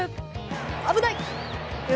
危ない！